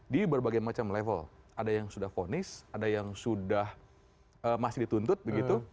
di berbagai macam level ada yang sudah fonis ada yang sudah masih dituntut begitu